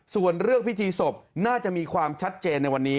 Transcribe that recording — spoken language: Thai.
ส่วนเรื่องพิธีศพน่าจะมีความชัดเจนในวันนี้